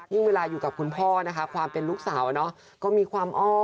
ซิ่งเวลาอยู่กับคุณพ่อนะคะความเป็นลูกสาว